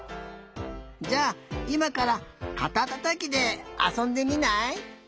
じゃあいまからかたたたきであそんでみない？